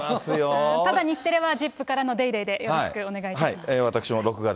ただ日テレは、ＺＩＰ！からのＤａｙＤａｙでよろしくお願いします。